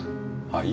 はい？